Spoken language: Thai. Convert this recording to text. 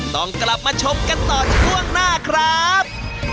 ต้องกลับมาชมกันต่อช่วงหน้าครับ